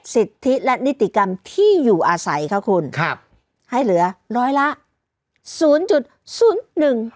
สิทธิและนิติกรรมที่อยู่อาศัยค่ะคุณครับให้เหลือร้อยละศูนย์จุดศูนย์หนึ่ง